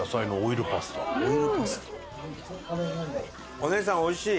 お姉さんおいしい！